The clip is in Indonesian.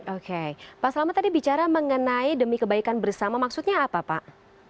oke pak selamat tadi bicara mengenai demi kebaikan bersama maksudnya apa pak